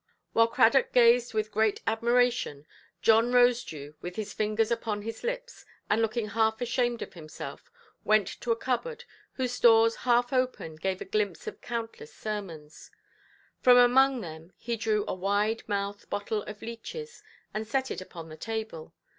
While Cradock gazed with great admiration, John Rosedew, with his fingers upon his lips, and looking half ashamed of himself, went to a cupboard, whose doors, half open, gave a glimpse of countless sermons. From among them he drew a wide–mouthed bottle of leeches, and set it upon the table.